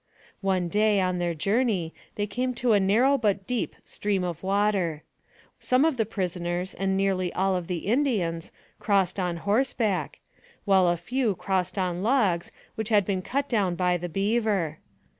One day, on their journey, they came to a narrow but deep stream of water. Some of the prisoners, and nearly all of the Indians, crossed on horseback, while a few crossed on logs, which had been cut down by the beaver.